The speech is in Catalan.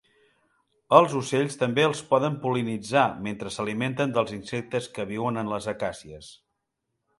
Els ocells també els poden pol·linitzar mentre s'alimenten dels insectes que viuen en les acàcies.